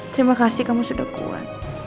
terima kasih kamu sudah kuat